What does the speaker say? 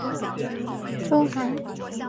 周寒梅任经理。